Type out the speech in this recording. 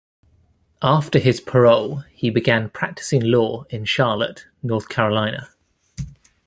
After his parole, he began practicing law in Charlotte, North Carolina.